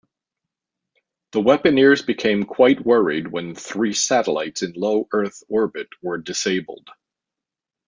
The weaponeers became quite worried when three satellites in low Earth orbit were disabled.